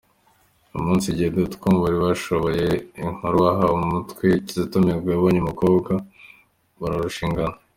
Uwo munsi, Igihe.com bari basohoye inkuru bahaye umutwe “Kizito Mihigo yabonye umukobwa bazarushingana”.